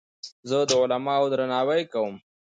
زه د علماوو درناوی کوم.